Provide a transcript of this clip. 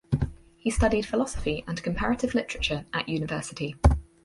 He studied philosophy and comparative literature at university.